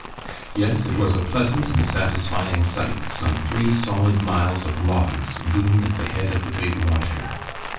Yes, it was a pleasant and satisfying sight, some three solid miles of logs boomed at the head of the big water.